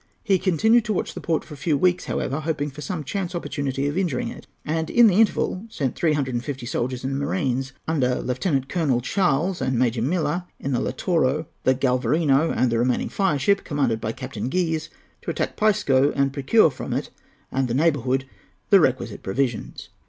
He continued to watch the port for a few weeks, however, hoping for some chance opportunity of injuring it; and, in the interval, sent three hundred and fifty soldiers and marines, under Lieutenant Colonel Charles and Major Miller, in the Lautaro, the Galvarino, and the remaining fireship, commanded by Captain Guise, to attack Pisco and procure from it and the neighbourhood the requisite provisions.